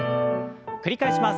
繰り返します。